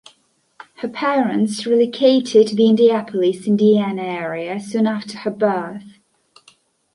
Her parents relocated to the Indianapolis, Indiana, area soon after her birth.